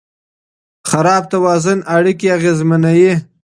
خراب توازن اړیکې اغېزمنوي.